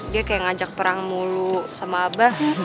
dia kayak ngajak perang mulu sama abah